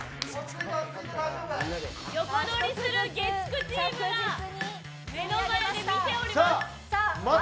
横取りする月９チームは目の前で見ております。